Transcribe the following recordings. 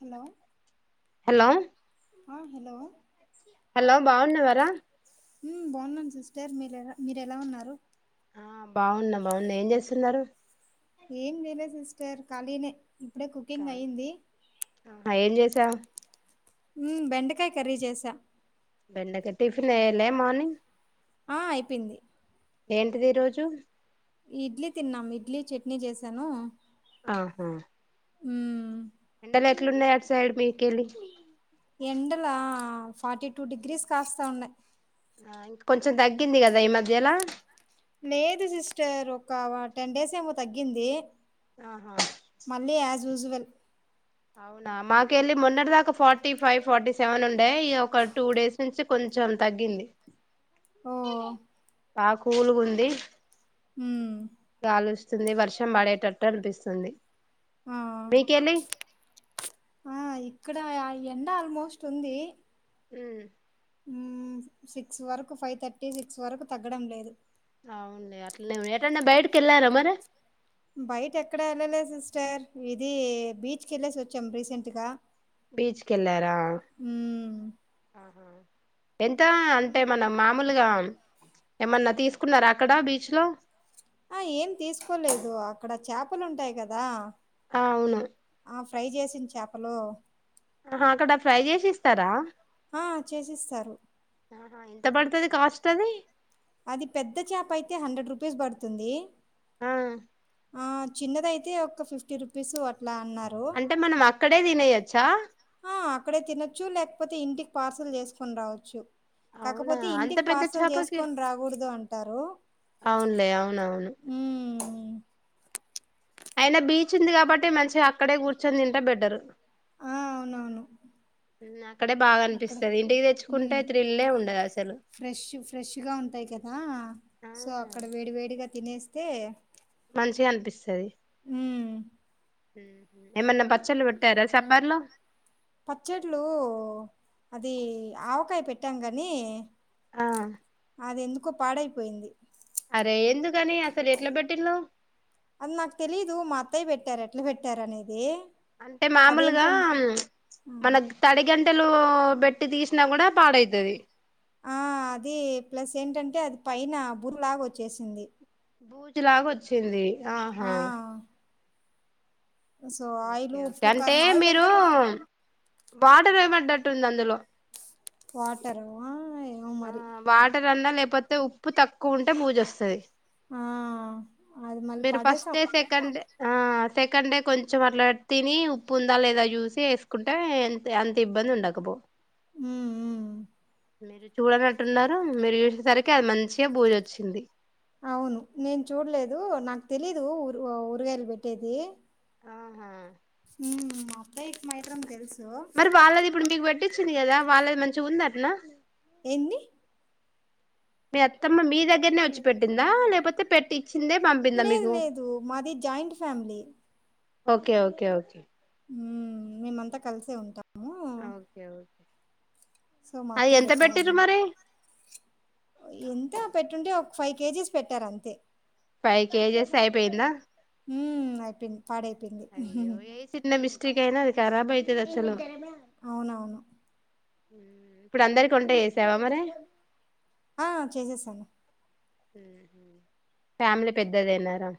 Hello hello ఆ hello hello బాగున్నవా రా ఉ బాగున్నాను సిస్టర్ మీరు ఎలా మీరు ఎలా ఉన్నారు. ఆ బాగున్నా బాగున్నా ఏం చేస్తున్నారు ఏం చేయలే సిస్టర్ ఖాళీనే ఇప్పుడే కుకింగ్ అయ్యింది ఆ ఏం చేసా ఊ బెండకాయ కర్రీ చేశా బెండకట్టి టిఫిన్ అయినా మార్నింగ్ ఆ అయిపోయింది ఏంటిది ఈ రోజు ఇడ్లీ తిన్నాం ఇడ్లీ చట్నీ చేశాను ఆహా ఉ ఎండలు ఎట్లున్నాయ్ అటు సైడ్ మీకెళ్లి ఎండలా ఫార్టీ టూ డిగ్రీస్ కాస్తా ఉన్నాయ్ కొంచెం తగ్గింది కదా ఈ మధ్యలా అంటారు ఒక టెన్ డేస్ ఏమో తగ్గింది ఆహా విజువల్ అవునా మాకెళ్లి మొన్నటి దాకా ఫార్టీ ఫైవ్ ఫార్టీ సెవెన్ ఉండే ఈ ఒక టూ డేస్ నుంచి కొం జామ్ తగ్గింది ఓ బా కూలుగుంది ఊ వర్షం పడేటట్టు అనిపిస్తుంది అ మీకెళ్ళి ఆయ్ ఇక్కడ ఆ ఎండ ఆల్మోస్ట్ ఉంది ఉ ఊ సిక్స్ వరకు ఫైవ్ థర్టీ సిక్స్ వరకు తగ్గడం లేదు అవునులే అట్లే ఎటన్నా బయటకి వెళ్ళారా మరి బయట ఎక్కడా వెళ్ళలే సిస్టర్ ఇది బీచ్ కు వెళ్ళేసి వచ్చాం రీసెంట్ గా బీచ్ కెల్లారా ఆహా ఎంత అంటే మన మామూలుగా ఏమన్నా తీసుకున్నారా అక్కడ బీచ్ లో. ఆ ఏం తీసుకోలేదు అక్కడ చాపలు ఉంటాయి కదా. అవును ఆ ఫ్రై చేసిన చాపలు ఆహా అక్కడ ఫ్రై చేసి ఇస్తారా ఆ చేసిస్తారు ఎంత పడుతది కాస్ట్ అది అది పెద్ద చేప అయితే హండ్రెడ్ రూపీస్ పడుతుంది ఆ ఆ చిన్నదయితే ఒక ఫిఫ్టీ రుపీస్ ఆ అంటే మనం అక్కడే తినేయొచ్చా ఆ! అక్కడే తినొచ్చు లేకపోతే ఇంటికి పార్సల్ చేసుకొని రావచ్చు అవునా కాకపోతే అంత ఇంటికి పెద్ద పార్సల్ చేపకి చేసుకొని రాకూడదు అంటారు అవునులే అవునవును ఇ అయిన బీచ్ ఉంది కాబట్టి మంచిగా అక్కడే కూర్చొని తింటే బెటర్ ఆ అవునవును ఉమ్, అక్కడే బాగా అక్కడే అనిపిస్తది ఇంటికి తెచ్చుకుంటే హ్మ్ త్రిల్లే ఉండదు అసలు ఫ్రెష్ ఫ్రెష్గా ఉంటాయి కదా ఆ సో అక్కడ వేడి వేడిగా తినేస్తే మంచిగా అనిపిస్తది మ్మ్ ఏమన్నా పచ్చళ్ళు పెట్టారా సమ్మర్ లో పచ్చట్లు అది ఆవకాయ పెట్టాం గాని ఆ అది ఎందుకో పాడైపోయింది అరే ఎందుకని అసలు ఎట్లా పెట్టిళ్ళు అది నాకు తెలీదు మా అత్తయ్య పెట్టారు ఎట్లా పెట్టారు అనేది అంటే మామూలుగా అదేంటంటే హ్మ్ మన తడిగం తలు బేట్టి తీసిన కూడా పాడైతది ఆ అది ప్లస్ ఏంటంటే అది పైన బురలాగ వచ్చేసింది బూజులాగ వచ్చింది ఆహా ఆ సో ఆయిల్ ఓకే ఓకే ఉప్పు అంటే కారం ఆయిల్ మీరు అంతా కూడా వాటర్ ఏమడ్డట్టుంది అందులో వాటర్ ఏమో మరి న్నా లేకపోతే ఉప్పు తక్కువ ఉంటే బూజు వస్తుంది ఆ అది మళ్ళీ మీరు ఫస్ట్ పడేసాం డే సెకండ్ డే ఆ సెకండ్ డే కొంచెం అట్లా తిని ఉప్పు ఉందా లేదా చూసి వేసుకుంటే అంత ఇబ్బంది ఉండకపో ఉ ఊ మీరు చూడనట్టున్నారు మీరు చూసేసరికి అది మంచిగా బూజ వచ్చింది అవును నేను చూడలేదు నాకు తెలీదు ఊరు ఊరగాయలు పెట్టేది ఆహా ఉ మా అత్తయికి మాత్రం తెలుసు చ్చింది కదా వాళ్ళది మంచిగ ఉంది అట్న ఎన్డీ మీ అత్తమ్మ మీ దగ్గరనే వచ్చి పెట్టిందా లేకపోతే పెట్టి చిందే పంపిందా లేదు మీకు లేదు మాది joint family okay okay okay ఉ మేమంతా కలిసే ఉంటాము ఓకే ఓకే సో అది మత్తయ్య ఎంత పెట్టారా పెట్టిరు మరి ఎంత పెట్టుంటే ఒక ఫైవ్ కేజీస్ పెట్టారు అంతే ఫైవ్ కేజెస్ అయిపోయిందా ఉ అయిపోంది అయ్యో ఏ చిన్న మిస్టేక్ అయినా అది కరాబ్ అయితది అసలు అవునవును ఇప్పుడు అందరికి వంట చేసావా మరి ఆ చేసేసాను ఫ్యామిలీ పెద్దదిన్నారా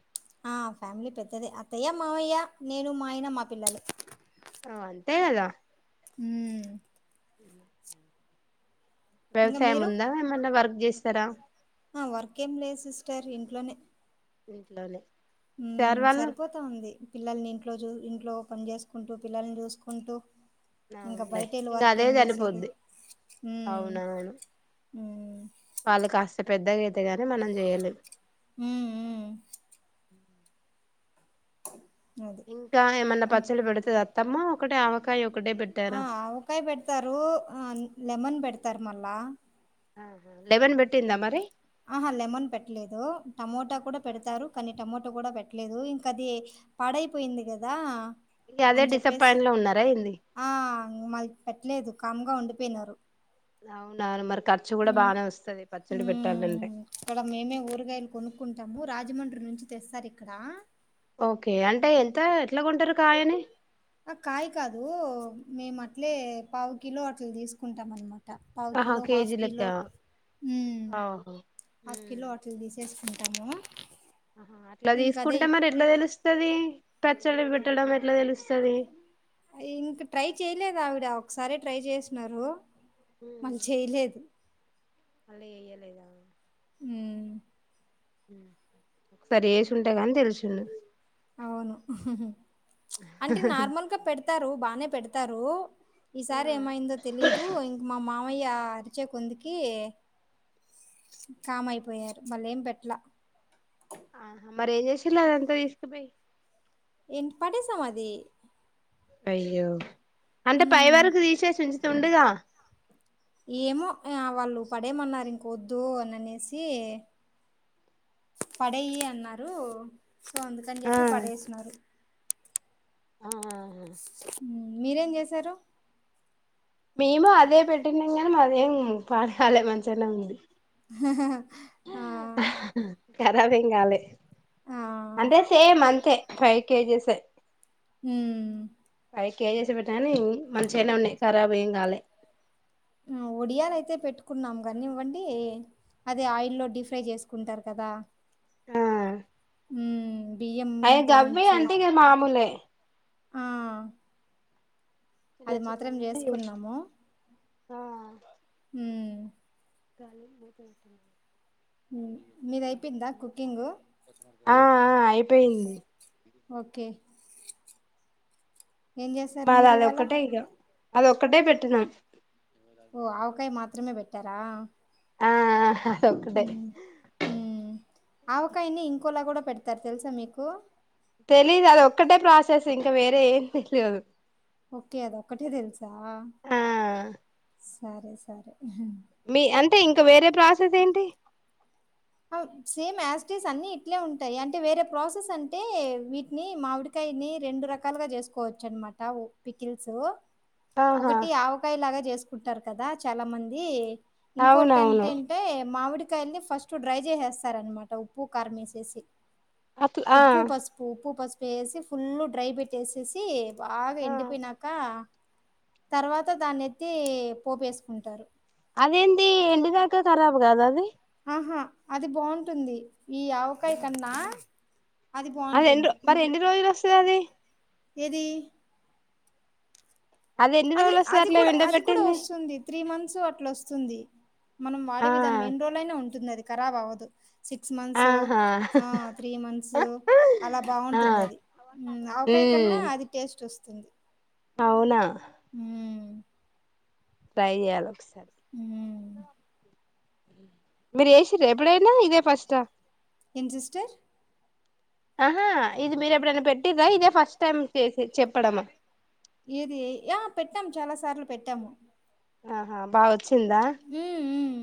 ఆ ఫ్యామిలీ పెద్దది అత్తయ్యా మామయ్య నేను మా ఆయన మా పిల్లలు ఓ అంతే గద ఊ ఇ ఇంకా వ్యవసాయం మీరు ఉందా ఏమన్నా వర్క్ చేస్తారా ఆ వర్క్ఏం లేదు సిస్టర్ ఇంట్లోనే ఇంట్లోనే ఉ సార్ వాళ్ళు సరిపోతా ఉంది పిల్లల్ని ఇంట్లో చూ ఇంట్లో పని చేసుకుంటూ పిల్లల్ని చూసుకుంటూ ఇంకా అవునులే బయటెళ్ళి ఇంకా వర్క్ అదే ఏం చేసేది సరిపోద్ది ఉమ్ అవునవును ఉమ్ వాళ్ళ కాష్ట పెద్దగా అయితే గాని మనం చెయ్యలే ఉమ్ ఉమ్ [inaudible] ఇంకా ఏమన్నా పచ్చడి పెడుతద అత్తమ్మా ఒకటే ఆవకాయ ఒకటే ఆ పెట్టారా ఆవకాయ పెడతారు ఆ లెమన్ పెడతారు మళ్ళా ఆహ లెవెన్ పెట్టిందా మరి ఆహా లెమన్ పెట్టలేదు టమోటా కూడా పెడతారు కానీ టమోటో కూడా పెట్ట ట్లేదు ఇంక అది పాడైపోయింది కదా ఇగ అదే అని చెప్పేసి డిసప్పాయింట్ లో ఉన్నారా ఏంది ఆ మల్ పెట్టలేదు కామ్గా ఉండిపోయినారు అవున మర ఇక్కడ మేమే ఊరగాయలు కొనుక్కుంటాము రాజమం డ్రీ నుంచి తెస్తారు ఇక్కడ ఓకే అంటే ఎంత ఎట్ల కొంటారు కాయని ఆ కాయ కాదు మేము అట్లే పావు కిలో అట్ల తీసుకుంటాం అన్నమ పావ్ ఆహా కిలో హఫ్ కేజీ లెక్క కిలో ఆహా హాఫ్ ఉమ్. కిలో [unintelligible] [unintelligible] ఆహా అట్లా తీసుకుంటే ఇంకదే మరి ఎట్ల తెలుస్తది పచ్చల్లు పెట్టడం ఎట్లా తెలుస్తది ఇంక ట్రై చేయలేదు ఆవిడ ఒకసారే ట్రై చేసినరు మల్ చేయలేదు మళ్ళా ఏయ్యలేదా ఉమ్ సరి వేసి ఉంటే గానీ తెలుసుండు అవును అంటే నార్మల్గ పెడతారు బానే పెడతారు ఈసారి ఆ ఏమైందో తెలీదు ఇంక మా మామయ్య అరిచే కొందికి కామ్ అయిపోయారు మళ్ళ ఏం పెట్లా ఆ మరి ఏం చేసిల్లు అదంతా తీసుకుపోయి ఏంటి పడేసం అది అయ్యో అంటే ఉమ్ పైవరకు తీసేసి వుంచితే ఉండద ఏమో వాళ్ళు పడేమన్నారు ఇంకొద్దు అని అనేసి పడేయి అన్నారు సో అందుకని ఆ చెప్పి పడేసినరు మీరేం చేశారు మేము అదే పెట్టినాం కానీ అదే పాడకాలే మంచిగానే ఉంది హా [inaudible] కరబ్ ఎం కాలే ఆ అంటే సేమ్ అంతే ఫైవ్ కేజీస్ఎ హు ఫైవ్ కేజేస్ చేసి పెట్టనా గాని మంచిగానే ఉన్నాయి ఖరాబ్ ఏం కాలే ఒడియలు అయితే పెట్టుకున్నాం కానివ్వండి అదే ఆయిల్లో డిఫ్రై చేసుకుంటారు కదా ఆ హు గవ్వి అంటే ఇంగ మామూలే ఆ అది మాత్రం చేసుకున్నాము ఆ హు [inaudible] మీద అయిపోందా కుకింగు ఆ ఆ అయిపోయింది ఓకే ఏం చేశారు మాది మీరు ఇవాళ అదొక్కటే ఇగ అది ఒక్కటే పెట్టినాం ఓ ఆవకాయ మాత్రమే పెట్టార ఆ అదొక్కటే ఆవకాయనే ఇంకోలా కూడా పెడతారు తెలుసా మీకు తెలీదు అది ఒక్కటే ప్రాసెస్ ఇంకా వేరే ఏం తెలిదు ఓకే అది ఒక్కటే తెలుసా ఆ సరే సరే మీ అంటే ఇంకా వేరే ప్రాసెస్ ఏంటి సేమ్ యాస్టీస్ అన్ని ఇట్లే ఉంటాయి అంటే వేరే ప్రాసెస్ అంటే వీటిని మామిడికాయ దీని రెండు రకాలుగా చేసుకోవచ్చు అనమాట పికిల్స్ ఆహా ఒకటి ఆవకాయ లాగా చేసుకుంటారు కదా చాలా మంది ఇంకోటి అవునవును ఏంటెంత ఏంటే మామిడికాయల్ని ఫస్ట్ డ్రై చేసేస్తారనమాట ఉప్పు కారం వేసేసి అట్లా ఆ ఉప్పు పసుపు ఉప్పు పసుపు వేసి ఫుల్లు డ్రై పెట్టేసేసి బాగా ఆ ఎండిపోయినాక తర్వాత దాన్ని ఎత్తి పోపు వేసుకుంటారు అదేంది ఎండినాక ఖరాబ్ కాదా అది ఆహా అది బాగుంటుంది ఈ ఆవకాయ కన్నా అది ఎన్ని మరి ఎన్ని రోజులు వస్తుంది అది ఏది ఎన్ని అది రోజులు వస్తది అది అట్లా కూడా అది కూడా ఎండబెట్టింది వస్తుంది త్రీ మంత్స్ అట్లా వస్తుంది మనం వాడే ఆ విధానం ఎన్ని రోజులు అయినా ఉంటుంది అది కరాబ్ అవ్వదు సిక్స్ మంత్స్ ఆహా త్రీ మంత్స్ అలా ఆ బాగుంటుంది అది అ అంత కన్నా ఉమ్ అది టేస్ట్ వస్తుంది అవునా ఉమ్ ట్రై చెయ్యాలా మ్మ్ మీరు చేసిర ఎప్పుడైనా ఇదే ఫస్ట్ ఏం సిస్టర్ ఆహా ఇది మీరు ఎప్పుడైనా పెట్టిరా ఇదే ఫస్ట్ టైమ్ చేసి చెప్పడమా ఏది ఆ పెట్టాము చాలా సార్లు పెట్టాము ఆహా బాగా వచ్చిందా అ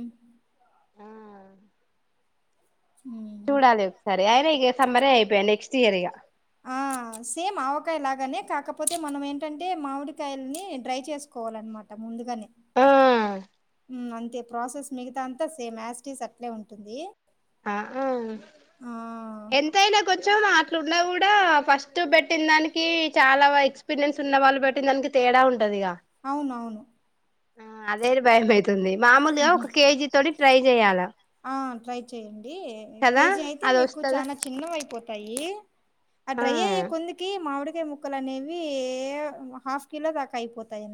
ఆ ఉమ్. చూడాలే ఒకసారి అయిన ఇక సమ్మరే అయిపోయాయి నెక్స్ట్ ఇయర్ ఇక ఆహా సేమ్ ఆవకాయ లాగానే కాకపోతే మనం ఏంటంటే మామిడికాయలని డ్రై చేసుకోవాలన్నమాట ముందుగానే ఆ అంతే ప్రాసెస్ మిగతా అంతా సేమ్ యాస్టీస్ అట్లే ఉంటుంది ఆ ఆ ఆ ఎంతయినా కొంచం అట్ల ఉన్న కూడా ఫస్ట్ పెట్టిన దానికి చాలా ఎక్స్పీరియన్స్ ఉన్న వాళ్ళు పెట్టిన దానికి తేడా అవునవును ఆ అదే భయమైతుంది మామూలుగా ఉహు ఒక కేజీ తోటి ట్రై చెయ్యాల అడి కేజీ అయితే మీకు చాలా చిన్నవయిపోతాయి. ఆ డ్రై అయ్యే కొందుకి మామిడికాయ ముక్కలు అనేవి హాఫ్ కిలో దాకా అయిపోతాయి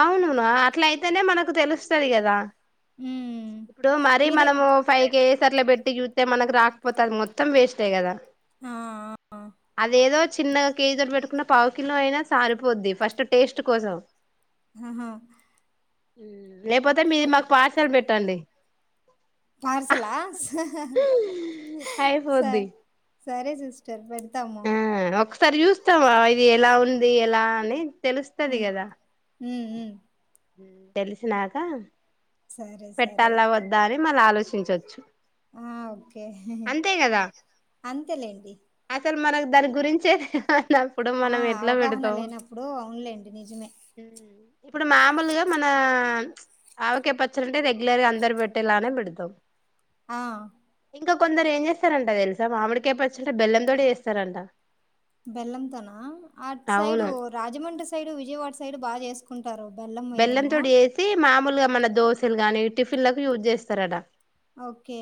అవునును ఆ అట్ల అయితేనే మనకు తెలుస్తది కద ఉమ్ ఇప్పుడు మరి మీరే మనము ఫైవ్ కెస్ తర్లో పెట్టి చూస్తే మనకు రాకపోతే అది మొత్తం వేస్టే కదా. ఆ ఆ అదేదో చిన్నగా కేజీతో పెట్టుకున్న పావు కిలో అయినా సారిపోద్ది ఫస్ట్ టేస్ట్ కోసం. అహ లేకపోతే మీది మాకు పార్సల్ పెట్టండి పార్సలా ఆ స అయిపోద్ది సరే సిస్టర్ పెడతాము సరి చూస్తావా ఇది ఎలా ఉంది ఎలా అని తెలుస్తది కదా ఈ తెలిసినాక సరే సరే పెట్టాల అయితే వద్దా అని మళ్ళ ఆలోచించచ్చు ఆ ఓకే అంతేలేండి అసలు మనకు దాని గురించే అప్పుడు ఆ మనం ఎట్ల అవగాహన పెడతాం లేనప్పుడు అవునులేండి నిజమే ఇప్పుడు మా నార్మల్ గా మన ఆవకాయ పచ్చడి రెగ్యులర్ గా అందరు పెట్టేలానే పెడతవ్ ఆ ఇంక కొందరు ఏం చేస్తారంట తెలుసా మామిడికాయ పచ్చడ బెల్లం తోటి చేస్తరంట బెల్లం తోనా అట్ side Rajahmundry side Vijayawada side బాగ చేసు బెల్లం తోడి జేసి మామూలుగా మన దోశలు గాని టిఫిన్ లకు యూజ్ చేస్తరట ఓకే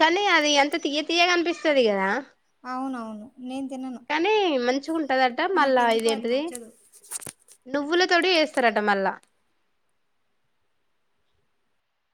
కానీ అది ఎంత తియ్య తియ్యగా అనిపిస్తది కదా అవునవును నేను తినను కానీ మంచిగుంటదంట మళ్ళా నాకెందుకో అది ఇదేంటిది నచ్చదు నువ్వుల తోటి చేస్తరట మళ్ళా